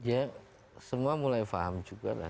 ya semua mulai faham juga lah